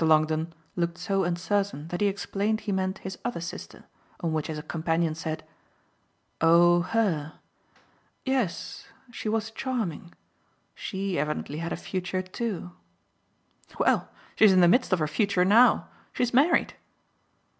Longdon looked so uncertain that he explained he meant his other sister; on which his companion said: "Oh her? Yes, she was charming she evidently had a future too." "Well, she's in the midst of her future now. She's married."